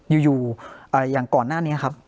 อยู่อยู่เหรอย่างก่อนหน้านี้ครับ